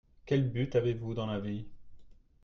Quel but avez-vous dans la vie ?